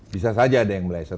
bisa saja ada yang meleset